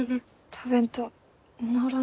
食べんと治らんで。